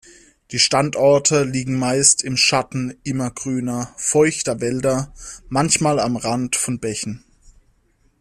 Die Standorte liegen meist im Schatten immergrüner, feuchter Wälder, manchmal am Rand von Bächen.